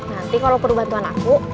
nanti kalau perlu bantuan aku